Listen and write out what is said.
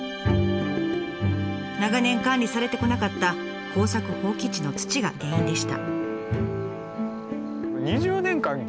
長年管理されてこなかった耕作放棄地の土が原因でした。